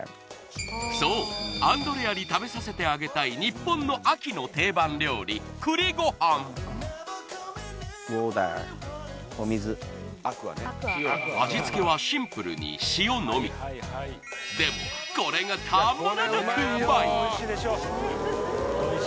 そうアンドレアに食べさせてあげたい日本の秋の定番料理栗ご飯ウォーター味付けはシンプルに塩のみでもこれは？あっ！